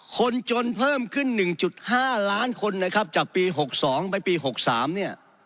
คนจนเพิ่มขึ้นหนึ่งจุดห้าล้านคนนะครับจากปีหกสองไปปีหกสามเนี่ย